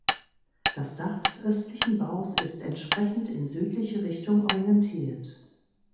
Das Dach des östlichen Baus ist entsprechend in südliche Richtung orientiert.